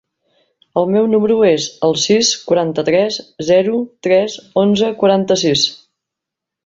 El meu número es el sis, quaranta-tres, zero, tres, onze, quaranta-sis.